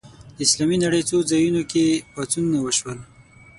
د اسلامي نړۍ څو ځایونو کې پاڅونونه وشول